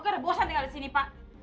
gue udah bosan tinggal di sini pak